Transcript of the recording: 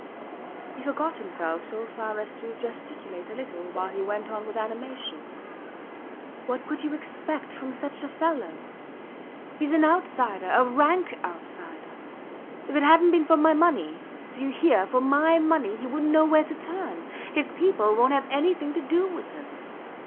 ... He forgot himself so far as to gesticulate a little while he went on with animation: What could you expect from such a fellow? Hes an outsider a rank outsider. ... If it hadnt been for my money ... do you hear? ... for my money, he wouldnt know where to turn. His people wont have anything to do with him.